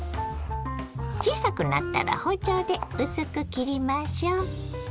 小さくなったら包丁で薄く切りましょ。